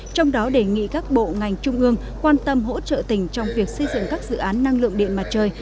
trong đó đề nghị các bộ ngành trung ương quan tâm hỗ trợ tỉnh trong việc xây dựng các dự án năng lượng điện mặt trời